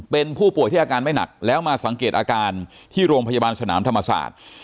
เป็นผู้ป่วยที่อาการไม่หนักแล้วมาสังเกตอาการที่โรงพยาบาลสนามธรรมศาสตร์